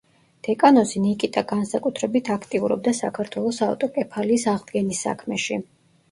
დეკანოზი ნიკიტა განსაკუთრებით აქტიურობდა საქართველოს ავტოკეფალიის აღდგენის საქმეში.